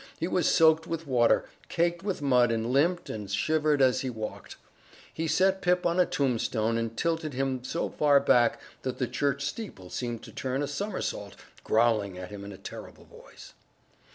He was soaked with water, caked with mud and limped and shivered as he walked. He set Pip on a tombstone and tilted him so far back that the church steeple seemed to turn a somersault, growling at him in a terrible voice.